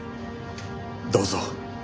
どうぞ。